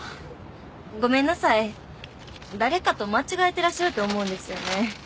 ごめんなさい誰かと間違えてらっしゃると思うんですよね